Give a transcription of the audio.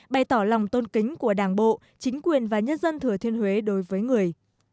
bày tỏ lòng tôn kính của đảng bộ chính quyền và nhân dân thừa thiên huế đối với người